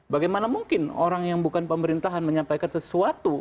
bagaimana mungkin orang yang bukan pemerintahan menyampaikan sesuatu